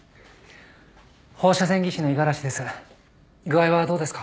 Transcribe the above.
放射線技師の五十嵐です。